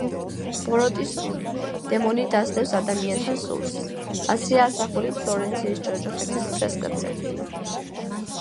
ბოროტი სული, დემონი დასდევს ადამიანთა სულს, ასეა ასახული ფლორენციის ჯოჯოხეთის ფრესკებზე.